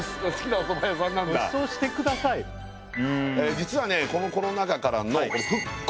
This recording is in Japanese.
実はねこのコロナ禍からの復興。